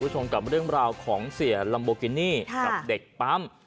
คุณผู้ชมกับเรื่องราวของเสียลัมโบกินี่กับเด็กปั๊ม